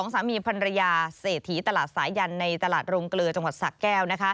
สามีพันรยาเศรษฐีตลาดสายันในตลาดโรงเกลือจังหวัดสะแก้ว